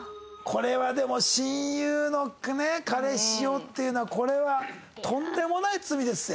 これはでも親友の彼氏をっていうのはこれはとんでもない罪でっせ。